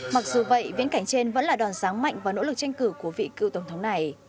mặc dù vậy viễn cảnh trên vẫn là đòn sáng mạnh và nỗ lực tranh cử của vị cựu tổng thống này